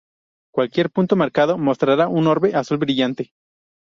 Cualquier punto marcado mostrará un orbe azul brillante.